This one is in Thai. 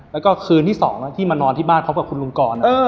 แล้วก็คืนที่๒ที่มานอนที่บ้านพบกับคุณลุงกร